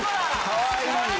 かわいい！